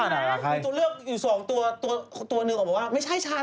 ตัวเลือกอยู่สองตัวตัวหนึ่งก็บอกว่าไม่ใช่ฉัน